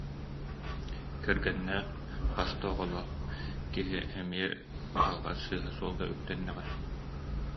Кэргэннээх, хас да оҕолоох киһи эмиэ алҕас сыыһа суолга үктэннэҕэ